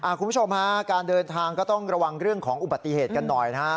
คุณผู้ชมฮะการเดินทางก็ต้องระวังเรื่องของอุบัติเหตุกันหน่อยนะฮะ